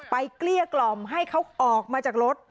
เกลี้ยกล่อมให้เขาออกมาจากรถ